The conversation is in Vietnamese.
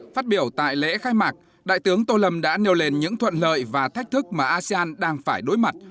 phát biểu tại lễ khai mạc đại tướng tô lâm đã nêu lên những thuận lợi và thách thức mà asean đang phải đối mặt